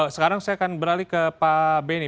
sekarang saya akan beralih ke pak benny